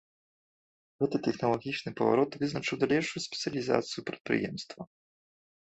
Гэты тэхналагічны паварот вызначыў далейшую спецыялізацыю прадпрыемства.